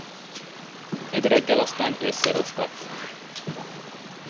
Egy reggel aztán összeroskadt.